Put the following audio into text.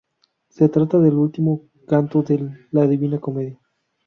Se trata del último canto del "La Divina Comedia".